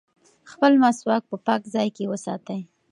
خپل مسواک په پاک ځای کې وساتئ.